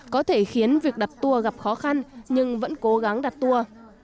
có thể khiến việc đặt tour gặp khó khăn nhưng vẫn cố gắng đặt tour